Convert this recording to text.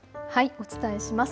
お伝えします。